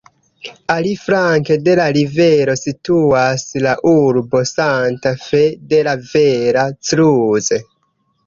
Aliflanke de la rivero situas la urbo Santa Fe de la Vera Cruz.